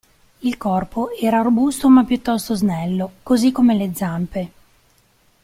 Il corpo era robusto ma piuttosto snello, così come le zampe.